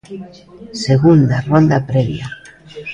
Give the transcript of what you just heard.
Segunda rolda previa.